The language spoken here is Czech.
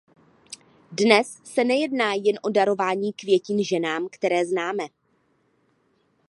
Dnes se nejedná jen o darování květin ženám, které známe.